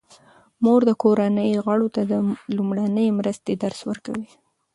مور د کورنۍ غړو ته د لومړنۍ مرستې درس ورکوي.